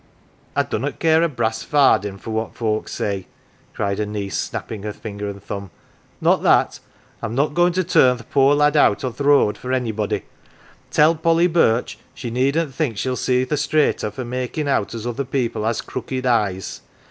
" I dunnot care a brass farden for what folks say !" 88 NANCY cried her niece, snapping her finger and thumb. " Not that ! I'm not goin 1 to turn th" poor lad out on th' road for anybody. Tell Polly Birch she needn't think shell see the straighter for making out as other people has crooked eyes.